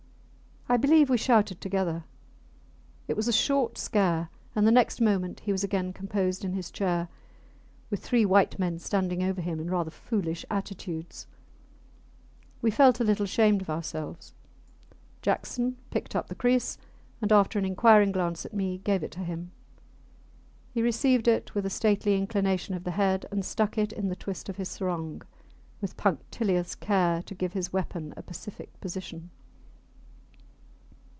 I believe we shouted together. It was a short scare, and the next moment he was again composed in his chair, with three white men standing over him in rather foolish attitudes. We felt a little ashamed of ourselves. Jackson picked up the kriss, and, after an inquiring glance at me, gave it to him. He received it with a stately inclination of the head and stuck it in the twist of his sarong, with punctilious care to give his weapon a pacific position.